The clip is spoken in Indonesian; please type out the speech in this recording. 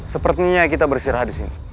sepertinya kita bersirahat di sini